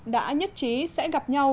đã nhất trí sẽ gặp nhau